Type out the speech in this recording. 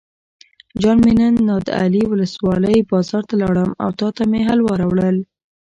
جان مې نن نادعلي ولسوالۍ بازار ته لاړم او تاته مې حلوا راوړل.